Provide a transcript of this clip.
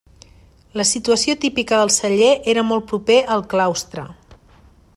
La situació típica del celler era molt proper al claustre.